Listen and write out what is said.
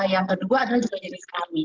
yang kedua adalah juga jenis kami